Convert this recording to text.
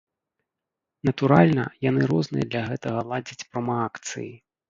Натуральна, яны розныя для гэтага ладзяць промаакцыі.